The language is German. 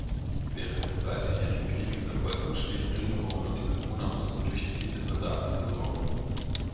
Während des Dreißigjährigen Krieges erfolgten schwere Plünderungen und die Bewohner mussten durchziehende Soldaten versorgen.